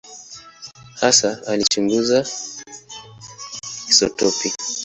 Hasa alichunguza isotopi.